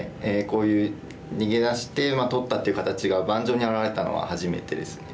こういう逃げ出して取ったという形が盤上に現れたのは初めてですね。